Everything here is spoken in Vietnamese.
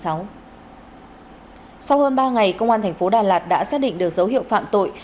sau hơn ba ngày công an thành phố đà lạt đã xác định được dấu hiệu phạm tội